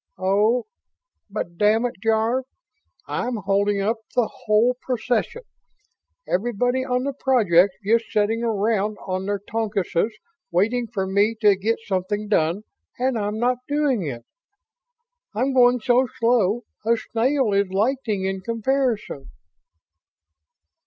Oh ... but damn it, Jarve, I'm holding up the whole procession. Everybody on the project's just sitting around on their tokuses waiting for me to get something done and I'm not doing it. I'm going so slow a snail is lightning in comparison!"